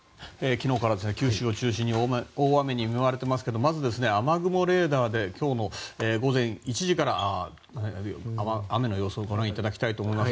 昨日から九州を中心に大雨に見舞われていますけどもまず、雨雲レーダーで今日の午前１時からの雨の様子をご覧いただきたいと思います。